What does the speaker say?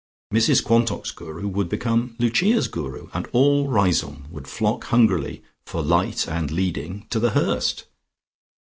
Mrs Quantock's Guru would become Lucia's Guru and all Riseholme would flock hungrily for light and leading to The Hurst.